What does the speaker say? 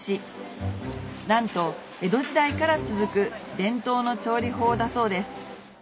なんと江戸時代から続く伝統の調理法だそうです